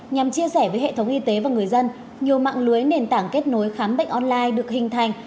nhằm chia sẻ với hệ thống y tế và người dân nhiều mạng lưới nền tảng kết nối khám bệnh online được hình thành